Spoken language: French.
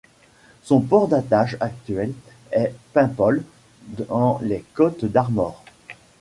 Son port d'attache actuel est Paimpol dans les Côtes-d'Armor.